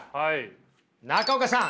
中岡さん